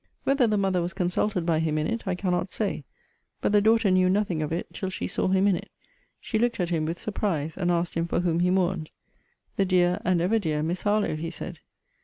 Whether the mother was consulted by him in it, I cannot say; but the daughter knew nothing of it, till she saw him in it; she looked at him with surprise, and asked him for whom he mourned? The dear, and ever dear Miss Harlowe, he said.